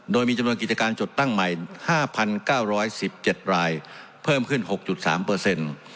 โดยมีจำนวนกิจการจดตั้งใหม่๕๙๑๗รายเพิ่มขึ้น๖๓เปอร์เซ็นต์